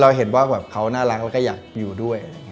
เห็นว่าแบบเขาน่ารักแล้วก็อยากอยู่ด้วย